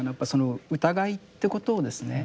疑いってことをですね